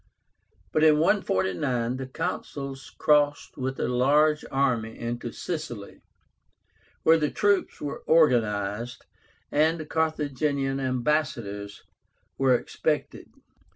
But in 149 the Consuls crossed with a large army into Sicily, where the troops were organized, and Carthaginian ambassadors were expected.